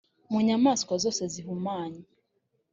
mu nyamaswa zose zihumanye